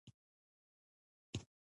هغه د شرکت د خرڅلاو په هکله خبرې پیل کړې